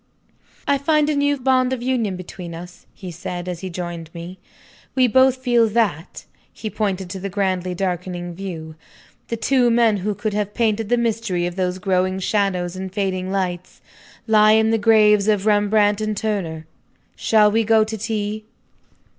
"I find a new bond of union between us," he said, as he joined me. "We both feel that." He pointed to the grandly darkening view. "The two men who could have painted the mystery of those growing shadows and fading lights, lie in the graves of Rembrandt and Turner. Shall we go to tea?"